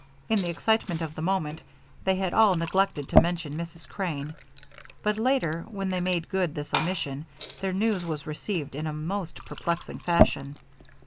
In the excitement of the moment, they had all neglected to mention Mrs. Crane, but later, when they made good this omission, their news was received in a most perplexing fashion.